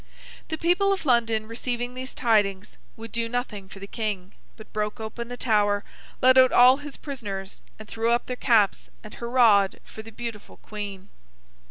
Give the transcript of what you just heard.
The people of London, receiving these tidings, would do nothing for the King, but broke open the Tower, let out all his prisoners, and threw up their caps and hurrahed for the beautiful Queen.